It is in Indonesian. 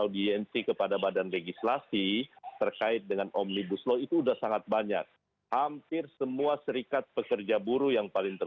di tengah konsentrasi masyarakat